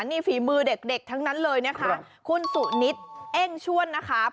นี่ฝีมือเด็กทั้งนั้นเลยนะคะคุณสุนิตเอ้งชวนนะคะ